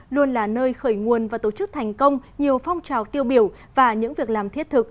luôn là nơi khởi nguồn và tổ chức thành công nhiều phong trào tiêu biểu và những việc làm thiết thực